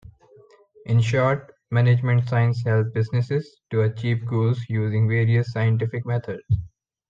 In short, management sciences help businesses to achieve goals using various scientific methods.